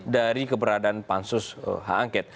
dari keberadaan pansus h angke